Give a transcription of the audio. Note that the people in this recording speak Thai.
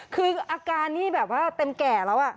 คืออาการนี่แบบว่าเต็มแก่แล้ว